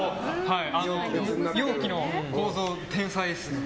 容器の構造、天才っすね。